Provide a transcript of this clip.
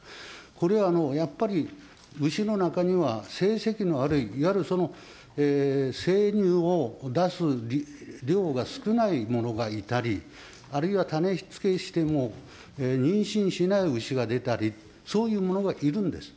これはやっぱり、牛の中には成績の悪い、いわゆる、生乳を出す量が少ないものがいたり、あるいは種付けしても、妊娠しない牛が出たり、そういうものがいるんです。